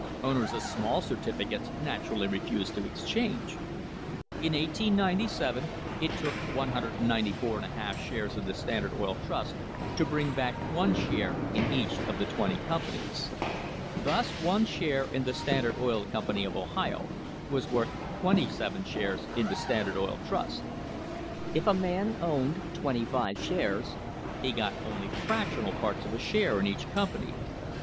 Owners of small certificates naturally refused to exchange. In 1897 it took 194^ shares in the Standard Oil Trust to bring back one share in each of the twenty com panies. Thus one share in the Standard Oil Company of Ohio was worth twenty seven shares in the Standard Oil Trust. If a man owned twenty five shares he got only fractional parts of a share in each company.